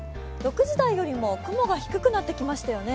６時台よりも雲が低くなってきましたよね。